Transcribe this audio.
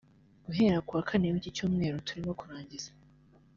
Guhera ku wa Kane w’iki cyumweru turimo kurangiza